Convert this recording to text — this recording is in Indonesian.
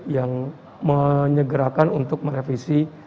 yang menyegerakan untuk merevisi